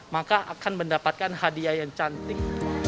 maka akan mendapatkan hadiah yang cantik